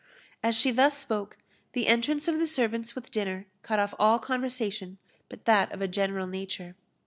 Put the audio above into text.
As she thus spoke, the entrance of the servants with dinner cut off all conversation but that of a general nature.